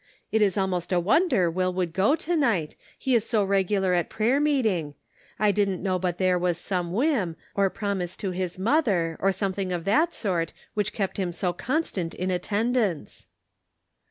It is almost a wonder Will would go to night, he is so regular at prayer meeting ; I didn't know but there was some whim, or promise to his mother, or something of that sort which kept him so constant in attendance."